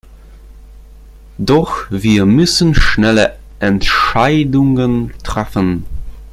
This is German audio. Doch wir müssen schnelle Entscheidungen treffen.